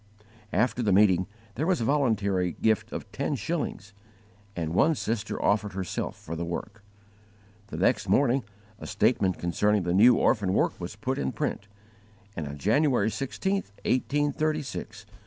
After the meeting there was a voluntary gift of ten shillings, and one sister offered herself for the work. The next morning a statement concerning the new orphan work was put in print, and on January 16, 1836, a supplementary statement appeared.